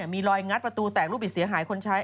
มีรอยงัดประตูแตกลูกบิดเสียหายคนใช้